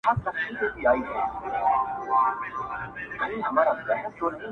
o پوروړی د مور مېړه دئ!